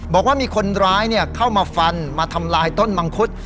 บอกว่ามีคนร้ายเข้ามาฟันมาทำลายต้นมังคุด